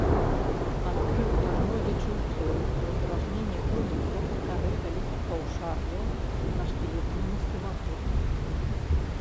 Адкрыў тармозячы ўплыў раздражнення пэўных кропак кары вялікіх паўшар'яў на шкілетную мускулатуру.